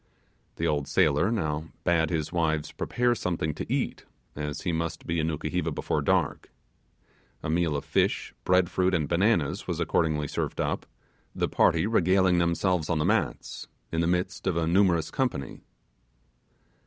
The old sailor now bade his wives prepare something to eat, as he must be in Nukuheva before dark. A meal of fish, bread fruit, and bananas, was accordingly served up, the party regaling themselves on the mats, in the midst of a numerous company.